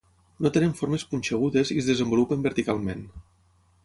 No tenen formes punxegudes i es desenvolupen verticalment.